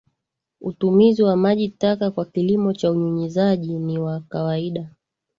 Utumizi wa maji taka kwa kilimo cha unyunyizaji ni wa kawaida